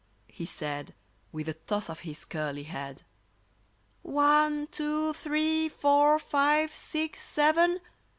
" he said, With a toss of his curly head. *'One, two, three, four, five, six, seven!